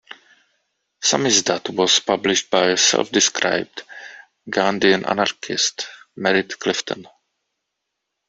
"Samisdat" was published by self-described "Gandhian anarchist" Merritt Clifton.